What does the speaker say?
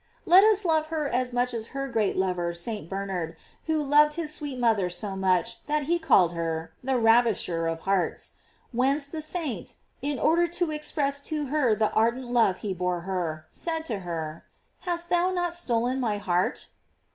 "* Let us love her as much as her great lover St. Bernard, who loved his sweet mother so much, that he called her "the ravisher of hearts:" f whence the saint, in order to express to her the ardent love he bore her, said to her, "Hast thou not stolen my heart?